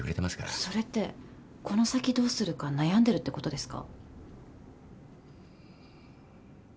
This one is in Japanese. それってこの先どうするか悩んでるってことですか？